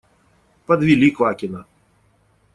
Подвели Квакина.